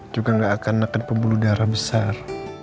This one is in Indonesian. juga gak akan neken pembuluh darah besar